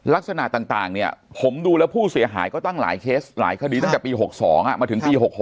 ลักษณะต่างเนี่ยผมดูแล้วผู้เสียหายก็ตั้งหลายเคสหลายคดีตั้งแต่ปี๖๒มาถึงปี๖๖